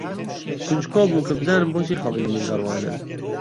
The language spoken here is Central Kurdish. کونجکۆڵ بووم کە بزانم بۆچی خەڵک لە من دەڕوانن.